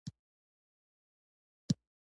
په موږ کې یوازې دوو تنو د فولادو خولۍ په سر کړې وې.